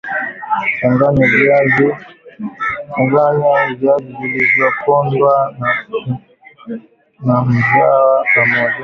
changanya viazi vilivyopondwa na mziwa pamoja